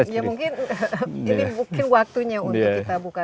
ya mungkin ini mungkin waktunya untuk kita buka